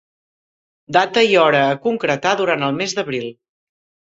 Data i hora a concretar durant el mes d'abril.